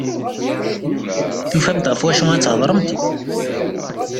Tufamt ɣef wacu ara thedremt.